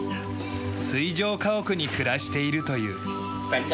水上家屋に暮らしているという。